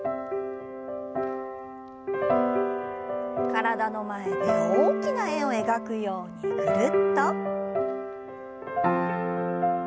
体の前で大きな円を描くようにぐるっと。